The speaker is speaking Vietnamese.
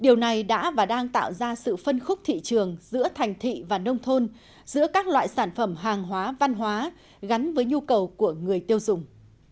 điều này đã và đang tạo ra sự phân khúc thị trường giữa thành thị và nông thôn giữa các loại sản phẩm hàng hóa văn hóa gắn với nhu cầu của người tiêu dùng